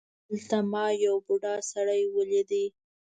هلته ما یو بوډا سړی ولید.